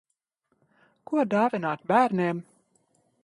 Ko dāvināt bērniem?